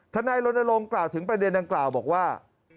นายรณรงค์กล่าวถึงประเด็นดังกล่าวบอกว่า